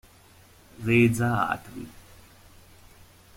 Reza Atri